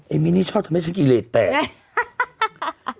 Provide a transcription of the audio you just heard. มินี่ชอบทำให้ฉันกิเลสแตก